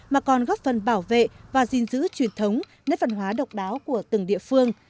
mà còn góp phần bảo vệ và gìn giữ truyền thống nét văn hóa độc đáo của từng địa phương